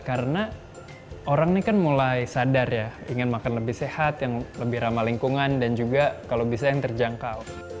karena orang ini kan mulai sadar ya ingin makan lebih sehat yang lebih ramah lingkungan dan juga kalau bisa yang terjangkau